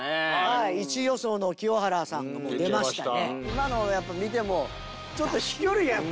１位予想の清原さんがもう出ましたね。